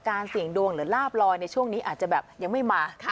เสี่ยงดวงหรือลาบลอยในช่วงนี้อาจจะแบบยังไม่มา